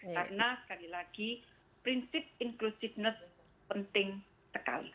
karena sekali lagi prinsip inclusiveness penting sekali